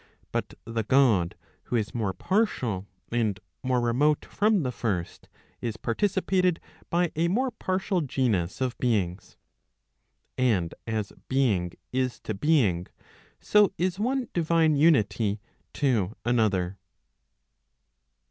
But the God who is more partial, and more remote from the first, is participated by a more partial genus of beings. And as being is to being, so is one divine unity to another.